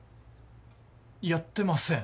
やってません。